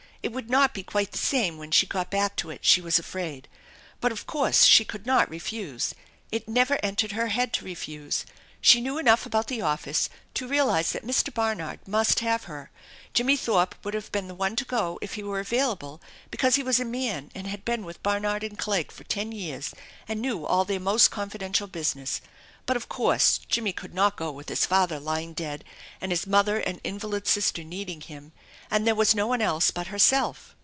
It would not be quite the same when she got back to it she was afraid. But of course she could not refuse. It never entered her head to refuse. She knew enough about the office to realize that Mr. Barnard must have her. Jimmie Thorpe would have been the one to go if he were available, because he was a man and had been with Barnard and Clegg for ten years and knew all their most confidential business, but of course Jimmie could not go with his father lying dead and his mother and invalid sister needing him ; and there was no one else but herself.